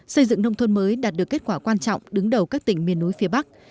xây dựng nông thôn mới đạt được kết quả quan trọng đứng đầu các tỉnh miền núi phía bắc